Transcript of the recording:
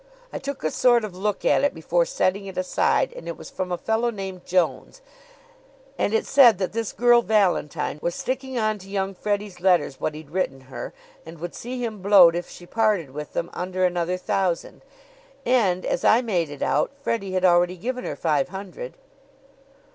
I took a sort of look at it before setting it aside, and it was from a fellow named Jones; and it said that this girl, Valentine, was sticking onto young Freddie's letters what he'd written her, and would see him blowed if she parted with them under another thousand. And, as I made it out, Freddie had already given her five hundred.